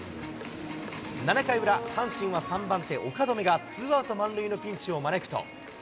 ７回裏、阪神は３番手、岡留が、ツーアウト満塁のピンチを招くと。